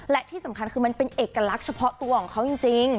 และที่สำคัญคือมันเป็นเอกลักษณ์เฉพาะตัวของเขาจริง